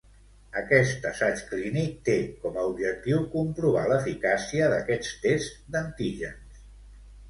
Aquest assaig clínic té com a objectiu comprovar l'eficàcia d'aquests tests d‟antígens.